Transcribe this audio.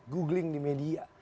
googling di media